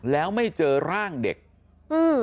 แล้วไม่เจอร่างเด็กอืม